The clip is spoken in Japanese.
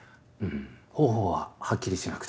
んー方法ははっきりしなくて。